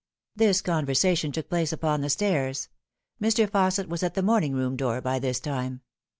This conversation took place upon the stairs. Mr. Fausset was at the morning'room door by this time.